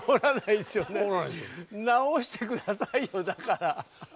直して下さいよだから。